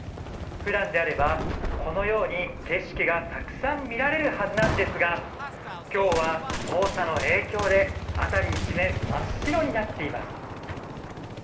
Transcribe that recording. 普段であれば、このように景色がたくさん見られるはずなんですが今日は黄砂の影響で辺り一面真っ白になっています。